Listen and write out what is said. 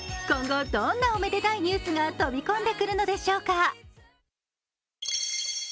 今後どんなおめでたいニュースが飛び込んでくるのでしょうか。